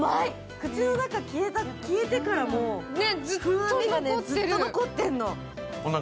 口の中、消えてからもずっと残ってんの。